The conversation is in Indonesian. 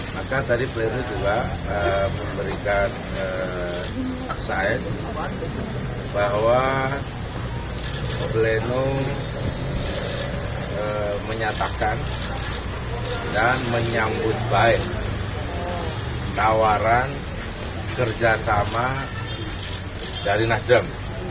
maka tadi plenum juga memberikan akses bahwa plenum menyatakan dan menyambut baik tawaran kerjasama dari nasdem